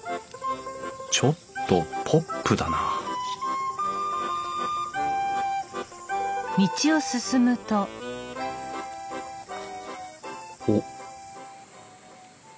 ちょっとポップだなおっ？